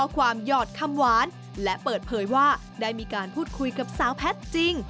ความหยอดคำหวานและเปิดเผยว่าได้มีการพูดคุยกับสาวแพทย์จริง